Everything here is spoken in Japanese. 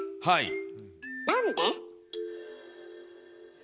はい。